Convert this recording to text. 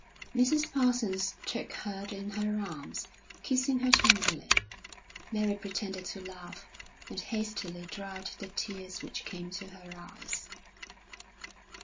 Mrs. Parsons took her in her arms, kissing her tenderly. Mary pretended to laugh, and hastily dried the tears which came to her eyes.